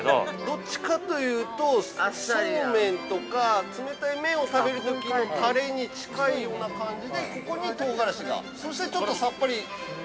◆どっちかというと、そうめんとか冷たい麺を食べるときのタレに近いような感じで、ここに辛がらしが、そしてちょっとさっぱり。